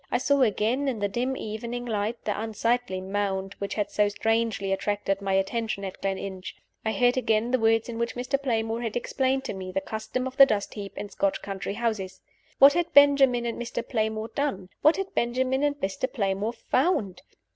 I saw again, in the dim evening light, the unsightly mound which had so strangely attracted my attention at Gleninch. I heard again the words in which Mr. Playmore had explained to me the custom of the dust heap in Scotch country houses. What had Benjamin and Mr. Playmore done? What had Benjamin and Mr. Playmore found?